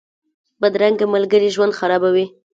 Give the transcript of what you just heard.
بدرنګه ملګري ژوند خرابوي